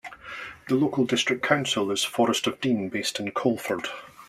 The local district council is Forest of Dean, based in Coleford.